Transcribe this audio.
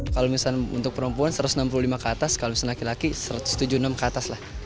kalau misalnya untuk perempuan satu ratus enam puluh lima ke atas kalau misalnya laki laki satu ratus tujuh puluh enam ke atas lah